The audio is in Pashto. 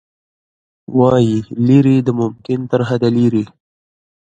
وايي، لیرې د ممکن ترحده لیرې